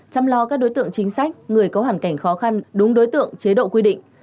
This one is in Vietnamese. chăm lo các đối tượng chính sách người có hoàn cảnh khó khăn đúng đối tượng chế độ quy định